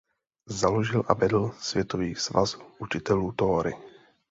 Založil a vedl Světový svaz učitelů tóry.